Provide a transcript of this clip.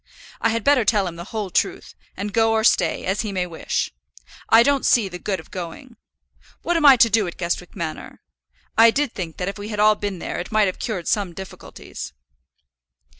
I had better tell him the whole truth, and go or stay, as he may wish. I don't see the good of going. What am I to do at Guestwick Manor? I did think that if we had all been there it might have cured some difficulties."